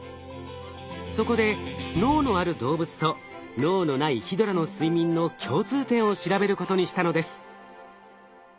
そこで脳のある動物と脳のないヒドラの睡眠の共通点を調べることにしたのです。